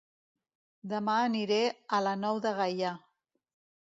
Dema aniré a La Nou de Gaià